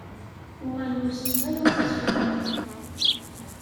Uɣaleɣ ur setteɣ ara aksum.